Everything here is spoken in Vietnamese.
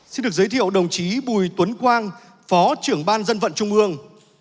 xin được giới thiệu đồng chí bùi tuấn quang phó trưởng ban dân vận trung ương